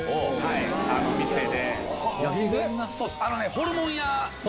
ホルモン屋。